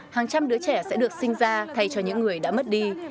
hàng trăm đứa trẻ sẽ được sinh ra thay cho những người đã mất đi